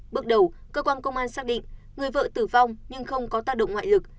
bước đầu cơ quan công an xác định người vợ tử vong nhưng không có tác động ngoại lực